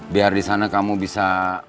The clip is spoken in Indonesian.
biar di sana kamu bisa